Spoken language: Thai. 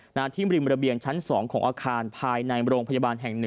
หน้าที่ริมระเบียงชั้น๒ของอาคารภายในโรงพยาบาลแห่ง๑